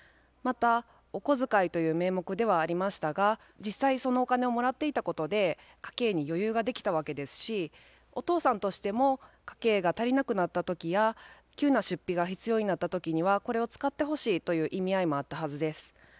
またお小遣いという名目ではありましたが実際そのお金をもらっていたことで家計に余裕ができたわけですしお父さんとしても家計が足りなくなった時や急な出費が必要になった時にはこれを使ってほしいという意味合いもあったはずです。